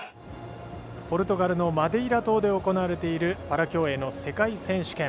ポルトガルのマデイラ島で行われているパラ競泳の世界選手権。